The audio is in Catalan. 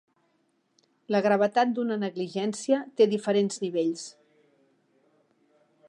La gravetat d'una negligència té diferents nivells.